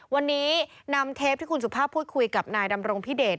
วันนี้นำเทปที่คุณสุภาพพูดคุยกับนายดำรงพิเดช